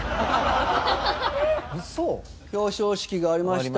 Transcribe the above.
表彰式がありました。